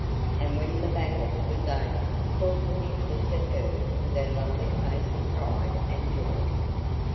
and when the battle was over called the victor to her with her lovely face of pride and joy.